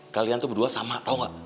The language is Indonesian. kalian tuh berdua sama tahu gak